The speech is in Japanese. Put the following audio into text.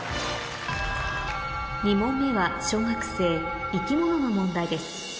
２問目は小学生生き物の問題です